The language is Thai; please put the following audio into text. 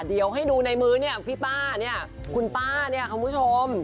เดี๋ยวให้ดูในมื้อนี้พี่ป้านี้คุณป้าคุณผู้ชม